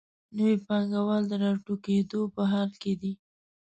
نوي پانګوال د راټوکېدو په حال کې دي.